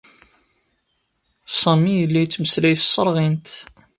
Sami yella yettmeslay s tserɣint.